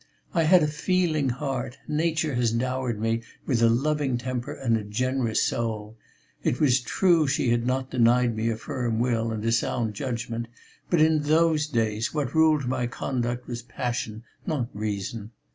I had a feeling heart, nature has dowered me with a loving temper and a generous soul; it was true she had not denied me a firm will and a sound judgment, but in those days what ruled my conduct was passion, not reason.